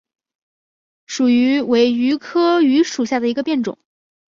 蜀榆为榆科榆属下的一个变种。